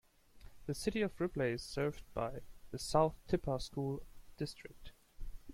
The City of Ripley is served by the South Tippah School District.